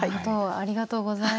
ありがとうございます。